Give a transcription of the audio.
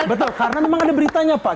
betul karena memang ada beritanya pak